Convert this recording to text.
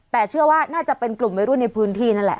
แต่เชื่อว่าน่าจะเป็นกลุ่มวัยรุ่นในพื้นที่นั่นแหละ